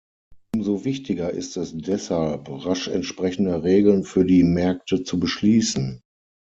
Umso wichtiger ist es deshalb, rasch entsprechende Regeln für die Märkte zu beschließen.